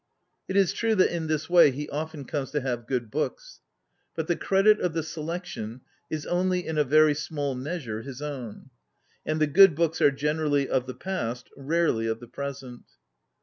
It is true that in this way he often comes to have good books. But the credit of the selec tion is only in a very small measure his own; and the good books are generally of the past, rarely of the present.